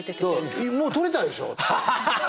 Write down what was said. もう撮れたでしょ